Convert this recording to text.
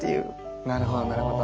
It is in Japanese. なるほどなるほど。